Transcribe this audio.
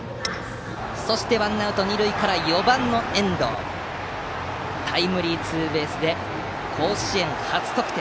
そしてワンアウト、二塁から４番、遠藤のタイムリーツーベースで甲子園初得点。